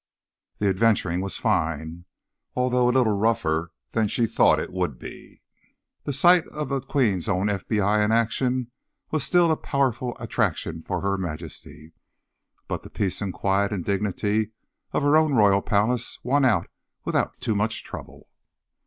The adventuring was fine, although a little rougher than she'd thought it would be; the sight of the Queen's Own FBI in action was still a powerful attraction for Her Majesty. But the peace and quiet and dignity of Her Own Royal Palace won out without too much trouble.